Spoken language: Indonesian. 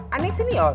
aneh sini ol